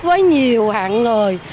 với nhiều hạng người